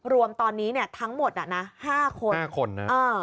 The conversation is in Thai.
รวมตอนนี้เนี้ยทั้งหมดน่ะนะห้าคนห้าคนน่ะเออ